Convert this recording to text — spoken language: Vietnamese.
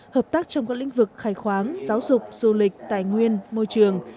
hợp tác trong các lĩnh vực khai khoáng giáo dục du lịch tài nguyên môi trường